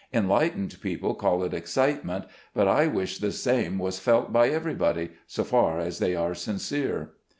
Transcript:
Enlightened people call it excitement ; but I wish the same was felt by everybody, so far as they are sincere.